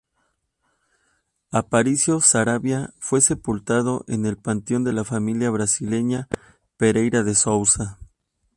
Aparicio Saravia fue sepultado en el panteón de la familia brasileña Pereira de Souza.